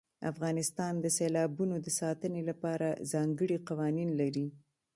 افغانستان د سیلابونو د ساتنې لپاره ځانګړي قوانین لري.